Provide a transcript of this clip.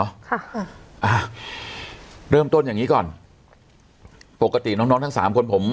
ค่ะอ่าเริ่มต้นอย่างงี้ก่อนปกติน้องน้องทั้งสามคนผม